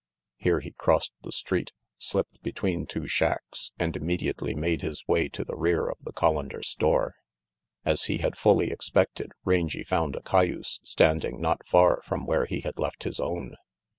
Here he crossed the street, slipped between two shacks and immediately made his way to the rear of the Collander store. As he had fully expected, Rangy found a cayuse standing not far from where he had left his own.